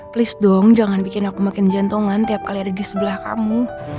please dong jangan bikin aku makin jantungan tiap kali ada di sebelah kamu